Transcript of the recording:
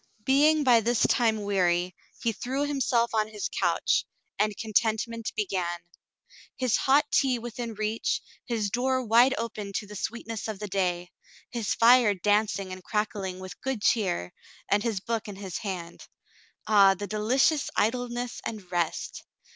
Being by this time weary, he threw himself on his couch, Cassandra's Promise 51 and contentment began — his hot tea within reach, his door wide open to the sweetness of the day, his fire danc ing and crackhng with good cheer, and his book in his hand. Ah ! The dehcious idleness and rest